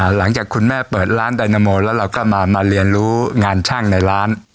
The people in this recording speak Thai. หลังจากคุณแม่เปิดร้านไดนาโมแล้วเราก็มาเรียนรู้งานช่างในร้าน